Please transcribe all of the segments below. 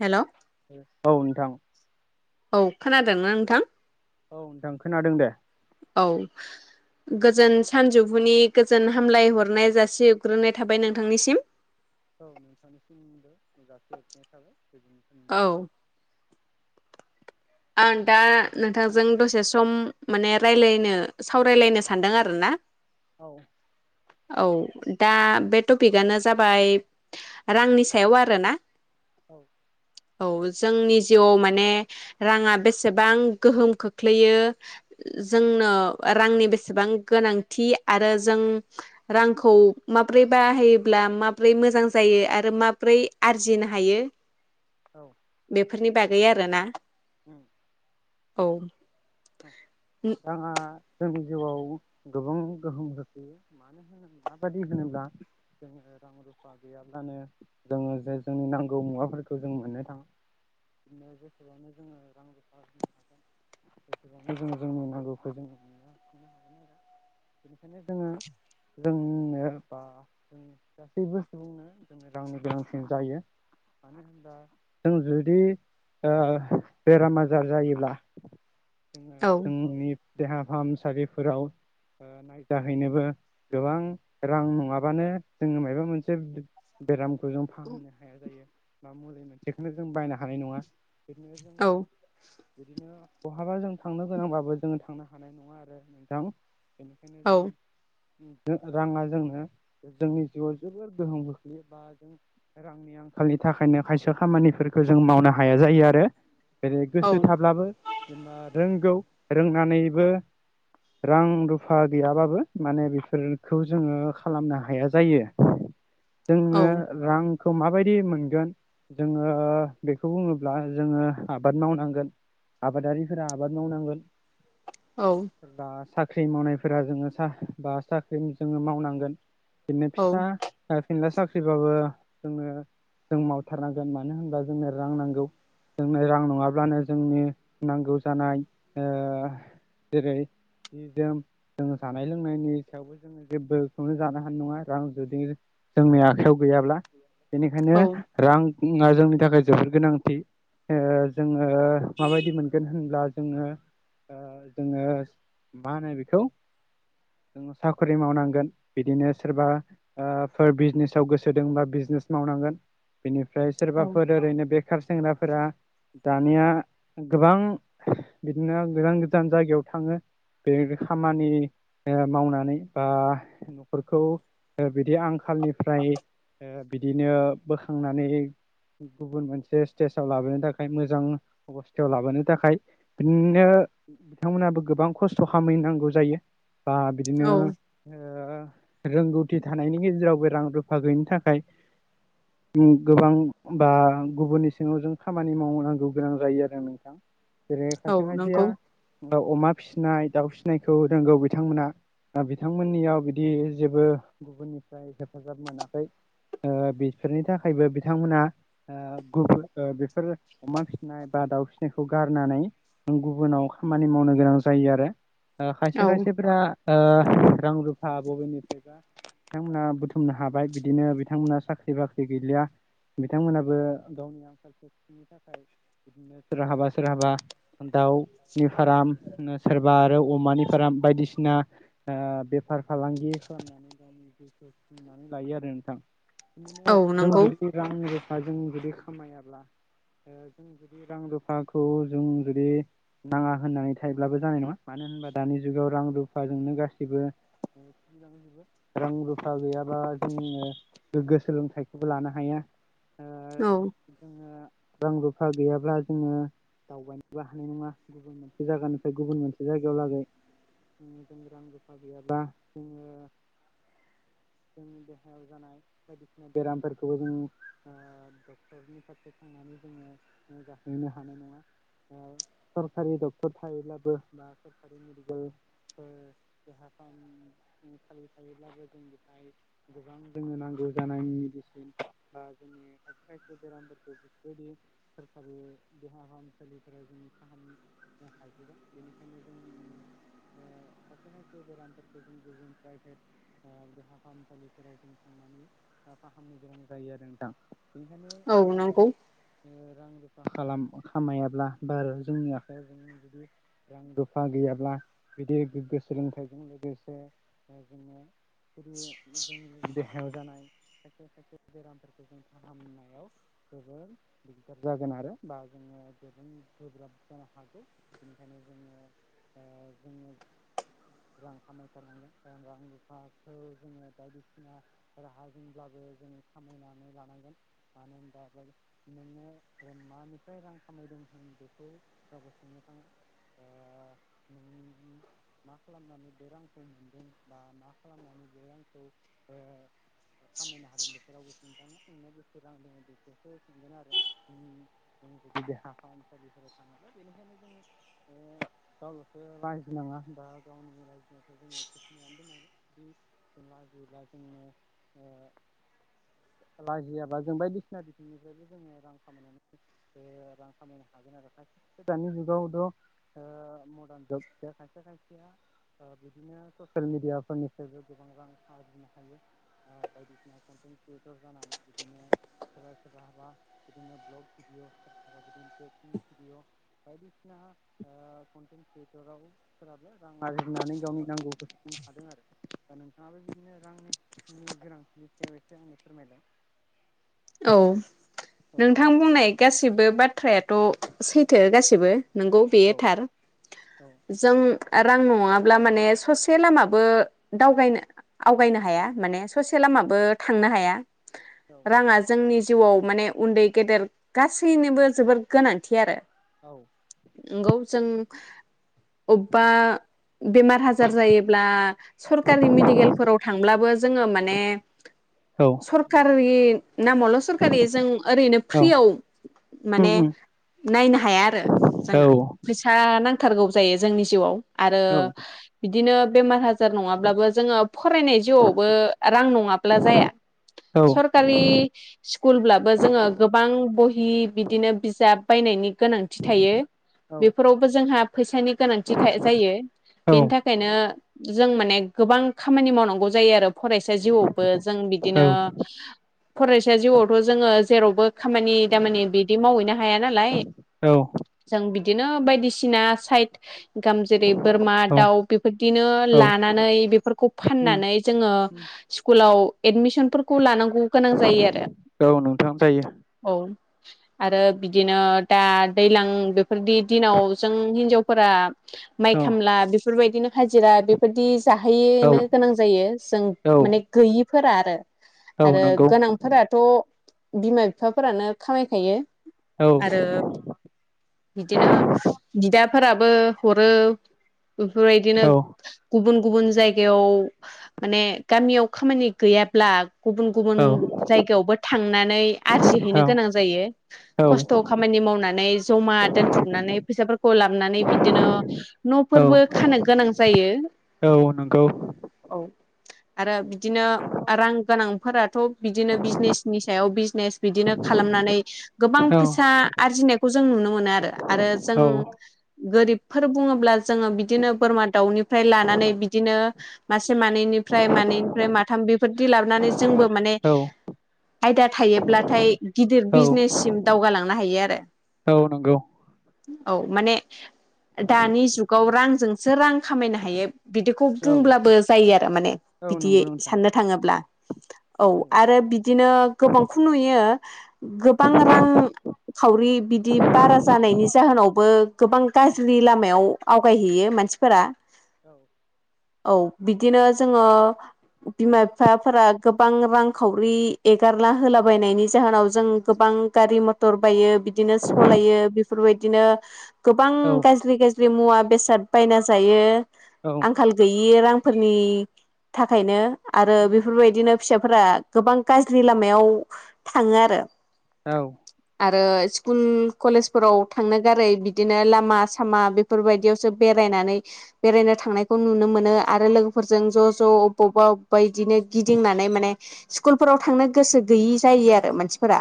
Hello औ नोंथां। औ खोनादोंना नोंथां। औ नोंथां खोनादों दे। औ। गोजोन सानजौफुनि गोजोन हामलाय हरनाय जासि हरग्रोनाय थाबाय नोंथांनिसिम। औ नोंथांनिसिमबो जासिहरनाय थाबाय गोजोन औ सानजुफुनि। आं दा नोंथांजों दसे सम माने रायलायनो सावरायलायनो सानदों आरो ना। औ। औ दा बे टपिकआनो जाबाय रांनि सायाव आरोना। औ। औ जोंनि जिउआव माने राङा बेसेबां गोहोम खोख्लैयो जोंनो रांनि बेसेबां गोनांथि आरो जों रांखौ माब्रै बाहायोब्ला माबोरै मोजां जायो। आरो माब्रै आरजिनो हायो। औ। बेफोरनि बागै आरो ना। उम। औ। राङा जोंनि जिउआव गोबां गोहोम खोख्लैयो मानोहोनोब्ला माबादि होनोब्ला जोङो रां रुफा गैयाब्लानो जोङो जे जोंनि नांगौ मुवाफोरखौ जों मोननो थाङा। बिदिनो जसेबांनो जोङो रां रुफा होनो हागोन। गोबांनो जोङो जोंनि नांगौखौ जोङो नुनोफिनो हागोन आरो बेनिखायनो जोङो जों बुंनो बा जों गासैबो सुबुंनो जोंनो रांनि गोनांसिन जायो। मानो होनाब्ला थों जुदि ओ बेराम आजार जायोब्ला जोङो औ जोंनि देहा फाहामसालिफोराव ओ नायजाहैनोबो गोबां रां नङाबानो जोङो माबा मोनसे बेराम खौ जों फाहामनो हाया जायो बा मुलि मोनसेखौनो जों बायनो हानाय नङा। बिदिनो जोङो औ बिदिनो बहाबा जों थांनो गोनांबाबो जोङो थांनो हा हानाय नङा आरो नोंथां बेनिखायनो औ जों राङा जोंनो जोंनि जिउआव जोबोर गोहोम ख्लैयो बा जों रांनि आंख खालनि थाखायनो खायसे खामानिफोरखौ जों मावनो हाया जायो आरो। जेरै औ गोसो थाब्लाबो जेनबा रोंगौ रोंनानैबो रां रुफा गैयाबाबो माने बेफोरनखौ जोङो खालामना हाया जायो। [inaudible] जोङो औ रांखौ माबायदि मोनगोन जोङो बेखौ बुङोब्ला जोङो आबाद मावनांगोन आबादारि सोरबा आबाद मावनांगोन औ सोरबा साख ख्रि मावनायफोरा जोङो साहा बा सा ख्रिम जोङो मावनांगोन बिदिनो फिसा फिनला साख्रिबाबो जोङो जों मावथारनांगोन मानो होनबा जोंनो रां नांगौ। जोंनो रां नङाब्लानो जोंनि नांगौ जानाय आ जेरै हि जोम जोङो जानाय लोंनायनि सायावबो जोङो जेबोखौनो जानो हानाय नङा रां जुदि जोंनि आखाइयाव गैयाब्ला बेनिखायनो औ रां हुमना जोंनि थाखाय जोबोर गोनांथि ओ जोङो माबायदि मोनगोन होन ब्ला जोङो ओ जोङो मा होनो बिखौ जोंङो साकुरि मावनांगोन बिदिनो सोरबा ओ फोर बिजनेसाव गोसो दोंबा बिज जनेस मावनांगोन बेनि ओमफ्राय औ सोरबाफोर ओरैनो बेखार सेंग्राफोरा दानिया गोबां बिदिनो गोजान गोजान जायगायाव थाङो। बे खामानि ओ मावनानै बा न'खरखौ ओ बिदि आं खालनिफ्राय ओ बिदिनो बोखांनानै गुबुन मोनसे स्टेजाव लाबोनो थाखाय मोजां अबस्थायाव लाबोनो थाखाय बिदिनो बिथांमोनाबो गोबां खस्थ' खामैनांगौ जायो। बा बिदिनो औ ओ रोंगौथि थानायनि गेजेरावबो रां रुफा गैयिनि थाखाय उम गोबां बा गुबुननि सिङाव जों खामानि मावनांगौ गोनां जायो आरो नोंथां। जेरै औ खायसे खायसेया नंगौ अ अमा फिसिनाय दाउ फिसिनायखौ रोंगौ बिथांमोना आ बिथांमोननियाव बिदि जेबो गुबुननिफ्राय हेफाजाब मोनाखै। ओ बेफोरनि थाखायबो बिथांमोना आ गुबुन ओ बेफोर अमा फिसिनाय बा दाउ फिनायखौ गार होननानै गुबुनाव खामानि मावनो गोनां जायो आरो आ खायसे औ खायसेफोरा आ रांरुफा बबेनिफ्रायबा बिथांमोना बुथुमनो हाबाय बिदिनो बिथांमोनहा साख्रि बाख्रि गैलिया। बिथांमोनाबो गावनि आंखाल थाखाय बिदिनो सोरहाबा सोरहाबा दाउनि फाराम सोरबा आरो अमानि फाराम बायदिसिना आ बे फार फालांगि खालामनानै गावनि जिउखौ सुफुंनानै लायो आरो नोंथां। औ बिदिनो जों नंगौ बिदि रां रुप बा जों जुदि खामायाब्ला जों जुदि रां रुफाखौ जों जुदि नाङा होननानै थायोब्लाबो जानाय नङा मानो होनबा दानि जुगाव रां रुफाजोंनो गासैबो औ। [unintelligible] रां रुफा गैयाबा जोङो गोग्गो सोलोंथाइखौबो लानो हाया। ओ औ जोङो रां रुफा गैयाब्ला जोङो दावबायनोबो हानाय नङा गुबुन मोनसे जायगानिफ्राय गुबुन मोनसे जायगायाव लागै जों रां रुफा गैयाबा जोङो [inaudible] जोंनि देहायाव जानाय बायदिसिना बेरामफोरखौबो जों आ डक्टरनि फारसे थांनानै जोंङो नायजाहैनो [inaudible] औ। सरकारि डक्टर थायोब्लाबो बा सरखारि मेडिकेल देहा फ फालिखायोब्लाबो जों बेहाय गोबां जोंनो नांगौ जानाय मेडिसिन बा जों खायसे खायसे बेामफोरखौ बेफोरबादि सरखारि देहा फाहामसालिफोरा जों फाहामनो हाजोबा बेनिखायनो जोंनि ओ खायसे खायसे बेरामफोरखौ जों गुबुननिफ्राय ओ देहाफाहामसालिफ्राव जों [unintelligible] फाहामनो गोनां जायो आरो नोंथां। बेनिखायनो औ जोङो नंगौ जुदि ओ रां रुफा खालाम खामायाब्ला बा जोंनि आखायाव जों जुदि रां रुफा गैयाब्ला बिदि गोग्गो सोलोंथाइजों लोगोसे जोङो जोंनि हाबा जानाय खायसे खायसे बेरामफोरखौ जों फाहामनायाव जोबोर दिगदार जागोन आरो बा जोङो गोबां गोब्राब जानो हागौ बेनिखायनो जोङो जोङो रां खामायथारनांगोन रां रुफाखौ जोङो बायदिसिना राहाजोंब्ला ब्लाबो खामायनानै लानांगोन मानो होनबा नोङो [unintelligible] फ्राय रां खामायदों होन बेखौ रावबो सोंनो थाङा। ओ नों मा खालामनानै बे रांखौ मोनदों बा मा खालामनानै बे रांखौ खामायनो हादों बेखौ रावबो [unintelligible] सोंगोन आरो। जों जुदि देहा फाहामसालिफोर थाङोब्ला बेनिखायनो जोङो गावल'सो लाजिनाङा। दा गावनि [unintelligible] बि लाजियोब्ला जोङो ओ लाजियाबा जों बायदिसिना बिथिंनिफ्रायबो जोङो रां खामायनानै रां खामायनो हागोन आरो खायसेथ' दानि जुगावथ' मडार्न जुग खायसे खायसेया ओ बिदिनो ससियेल मिडियाफोरनिफ्रायबो गोबां रां आरजिनो हायो। बायदिसिना कनटेन्ट क्रियेटर जानानै बिदिनो सोरबा सोरबाबा बिदिनो ब्लग भिडअदि भिडिअ बायदिसिना कन्टेन्ट क्रियेटराव फोराबो रां आरजिनानै गावनि नांगौखौ सुफुंनो हादों आरो। दा नोंथाङाबो बिदिनो रांनि गोनांथिनि सायाव एसे आंनो फोरमायलाय। [inaudible] औ नोंथां बुंनाय गासिबो बाथ्रायाथ' सैथो गासिबो। नंगौ बेयो थार जों रां नङाब्ला माने ससे लामाबो दावगायनो आवगायनो हाया माने ससे लामाबो थांनो हाया राङा जोंनि जिउआव माने उन्दै गेदेर गासैनिबो जोबोर गोनांथि आरो। औ। नंगौ जों अबेबा बेमार आजार जायोब्ला सरकारि मेडिकेलफोराव थांब्लाबो जोङो माने सरकारि नामावल' सरकारि जों ओरैनो फ्रियाव माने नायनो हाया आरो जोंहा फैसा नां नांथारगौ जायो जोंनि जिउआव। आरो बिदिनो बेमार आजार नङाब्लाबो जोङो फरायनाय जिउआवबो रां नङा ब्ला जाया सरकारि स्कुलब्लाबो जोङो गोबां बहि बिदिनो बिजाब बायनायनि गोनांथि थायो। बेफोरावबो जोंहा फैसानि गोनांथि जायो बेनि थाखायनो जों माने गोबां खामानि मावनांगौ जायो आरो फरायसा जिउआवबो जों बिदिनो फरायसा जिउआवथ' जोङो जेरावबो खामानि दामानि बिदि मावहैनो हाया नालाय जों बि बिदिनो बायदिसिना साइद इंकाम जेरै बोरमा दाउ बेफोरदिनो लानानै बेफोरखौ फाननानै जोङो स्कुलाव एदमिसनफोरखौ लानांगौ गोनां जायो आरो, जायो औ। आरो बिदिनो दा दैलां बेफोरनि दिनाव जों हिनजावफोरा माइ औ खामला बेफोरबायदिनो हाजिरा बेफोरदि औ जाहैनो गोनां जायो जों औ माने गैयिफोरा आरो औ नोंगौ। आंफोराथ' बिमा बिफाफोरानो खामायखायो औ आरो बिदिनो बिदाफोराबो हरो बेफोरबायदिनो औ गुबुन गुबुन जायगायाव माने गामियाव खामानि गैयाब्ला गुबुन गुबुन औ जायगायावबो थांनानै आरजिहैनो गोनां जायो औ खस्थ' खामानि मावनानै ज मा दोनथुमनानै फैसाफोरखौ लाबानै बिदिनो न'फोरबो खानो गोनां जायो। औ नों औ आरो बिदिनो रां गोनांफोराथ' बिदिनो बिजनेसनि सायाव बिजनेस बिदिनो खालामनानै गोबां औ फैसा आरजिनायखौ जों नुनो मोनो आरो जों औ गोरिब फोर बुङोब्ला जोङो बिदिनो बोरमा, दाउनिफ्राय लानानै बिदिनो मा से मानैनिफ्राय मानैनिफ्राय माथाम बेफोरदि लाबोनानै जोंबो माने औ आयदा थायोब्लाथाय गिदिर औ बिजनेससिम दावगालांनो हायो आरो। औ नोंगौ। औ माने दानि जुगाव रांजोंसो रां खामायनो हायो बिदिखौ औ बुंब्लाबो जायो आरो माने औ बिदियै नंगौ नोंथां साननो थाङोब्ला। औ आरो बिदिनो गोबांखौ नुयो गोबां रां खाउरि बिदि बारा जानायनि जाहोनावबो गोबां गाज्रि लामायाव आवगायहैयो मानसिफोरा औ। औ बिदिनो जोङो बिमा बिफाफोरा गो बां रांखावरि एगारला होलाबायनायनि जाहोनाव जों गोबां गारि मथर बायो बि दिनो सलायो बेफोरबायदिनो गोबां गाज्रि गा ज्रि मुवा बेसाद बायना जायो आंखाल गैयि रां फोरनि थाखायनो आरो बेफोरबायदिनो फिसाफोरा गोबां गाज्रि लामायाव थाङो आरो। औ। आरो स्कुल कलेजफोराव थांनो गारै बिदिनो लामा सामा बेफोरबायदियावसो बेरा रायनानै बेरायनो थांनायखौ नुनो मोनो आरो लोगोफोरजों ज' ज' अबावबा अबेबा बिदिनो गिदिंना नै माने स्कुल फोराव थांनो गोसो गैयै जायो आ रो औ मानसिफोरा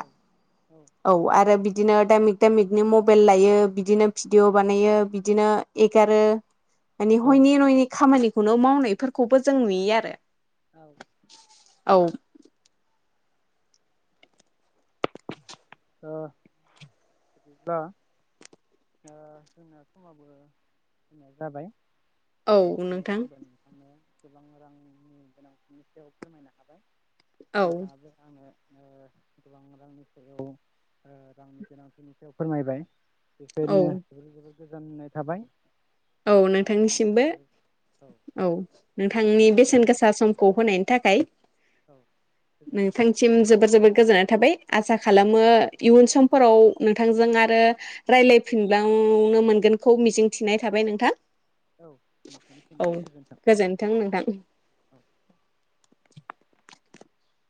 औ आरो बि दिनो दामिक दामिकनि मबाइल लायो बिदिनो भिडिअ' बानायो बिदिनो एगारो माने औ ओ हयनि नयनि खामानिखौनो मावनायफोरखौबो जों नुयो आरो। औ। औ। ओ बिदिब्ला दा जोंना समाबो जोंना जाबाय औ निसय नोंथां आंबो नोंथांनो गोबां रांनि गोनांथिनि सायाव फोरमायनो हाबाय। औ नोंथाङाबो आंनो ओ गोबां रांनि सायाव ओ रांनि गोनांथिनि सायाव फोरमायबाय औ बेफोरनो जोबोद जोबोद गोजोननाय थाबाय। औ नोंथाङाबो आंनो नोंथांनिसिमबो। जोबोर औ नोंथांनि बेसेन बेफोरनो गोसा औ समखौ होनायनि थाखाय गोजोन्थों नोंथांसिम जोबोर जोबोर गोजोननाय थाबाय आसा खालामो इयुन समफोराव नोंथांजों आरो रायलायफिनबाव नो मोनगोनखौ मिजिंथिनाय थाबाय नोंथां औ नोंथांनिसिमबो औ गोजोनथों गोजोन्थों नोंथां औ [inaudible]